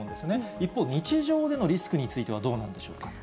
一方、日常でのリスクについてはどうなんでしょうか。